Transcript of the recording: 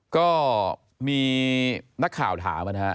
ก็มีนักข่าวถามนะฮะ